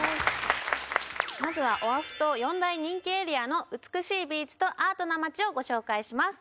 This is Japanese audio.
まずはオアフ島４大人気エリアの美しいビーチとアートな街をご紹介します